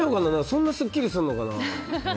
そんなすっきりするのかな。